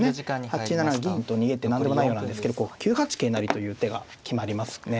８七銀と逃げて何でもないようなんですけどこう９八桂成という手が決まりますね